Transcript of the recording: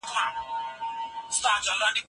په انګریزي کي د لارښود لپاره بېلابېل نومونه سته.